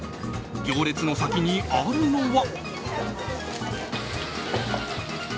行列の先にあるのは。